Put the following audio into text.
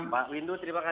oke mbak cira selamat malam